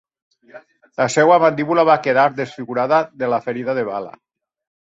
La seva mandíbula va quedar desfigurada de la ferida de bala.